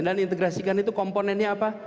dan integrasikan itu komponennya apa